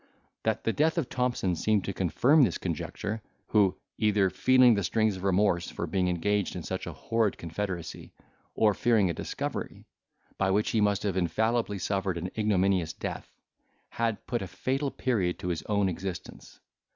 That the death of Thompson seemed to confirm this conjecture, who, either feeling the stings of remorse for being engaged in such a horrid confederacy, or fearing a discovery, by which he must have infallibly suffered an ignominious death, had put a fatal period to his own existence.